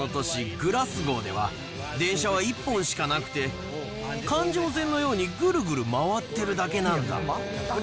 グラスゴーでは、電車は１本しかなくて、環状線のようにぐるぐる回ってるだけなんだ。